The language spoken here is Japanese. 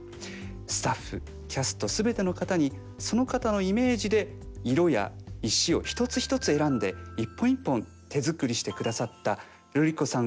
スタッフキャスト全ての方にその方のイメージで色や石を一つ一つ選んで一本一本手作りしてくださったルリ子さん